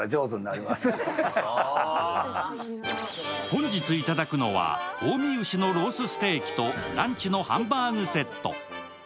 本日頂くのは近江牛のロースステーキとランチのハンバーグセット。